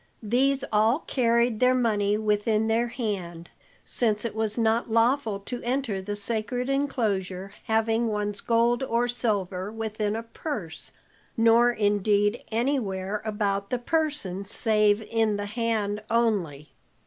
These all carried their money within their hand, since it was not lawful to enter the sacred enclosure having one's gold or silver within a purse nor indeed anywhere about the person save in the hand only.